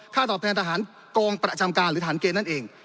ตอบแทนทหารกองประจำการหรือฐานเกณฑ์นั่นเอง